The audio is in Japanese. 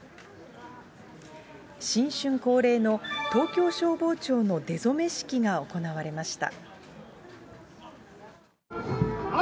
新春恒例の東京消防庁の出初式が行われました。